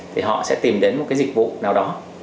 thì họ sẽ tìm đến một cái dịch vụ nào đó